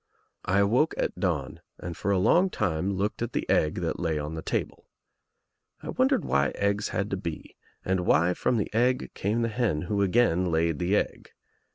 THE EGG 63 I awoke at dawn and for a long time looked at the egg that lay on the table. I wondered why eggs had to be and why from the egg came the hen who again laid the egg.